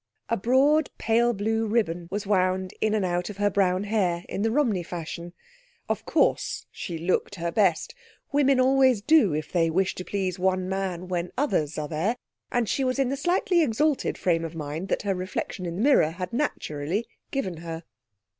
A broad, pale blue ribbon was wound in and out of her brown hair in the Romney fashion. Of course she looked her best. Women always do if they wish to please one man when others are there, and she was in the slightly exalted frame of mind that her reflection in the mirror had naturally given her.